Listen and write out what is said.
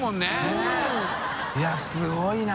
佑いやすごいな。